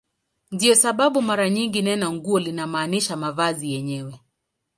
Ndiyo sababu mara nyingi neno "nguo" linamaanisha mavazi yenyewe.